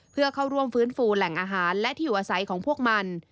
เพื่อเข้าร่วมฟื้นฟูแหล่งอาหารและที่อยู่อาศัยของพวกมัน